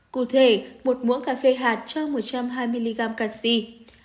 cụ thể một muỗng cà phê hạt cho một trăm hai mươi mg canxi